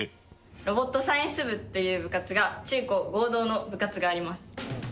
ロボットサイエンス部っていう部活が、中高合同の部活があります。